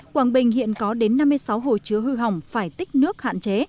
quảng bình hiện có đến năm mươi sáu hồ chứa hư hỏng phải tích nước hạn chế